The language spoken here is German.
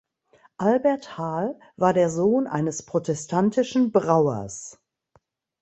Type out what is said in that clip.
Albert Hahl war der Sohn eines protestantischen Brauers.